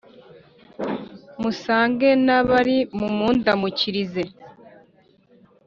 musange Nabali mumundamukirize.